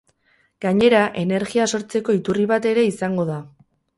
Gainera, energia sortzeko iturri bat ere izango da.